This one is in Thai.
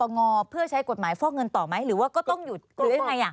เงินต่อมั้ยหรือว่าก็ต้องหยุดหรือไง